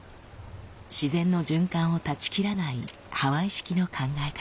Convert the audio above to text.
自然の循環を断ち切らないハワイ式の考え方。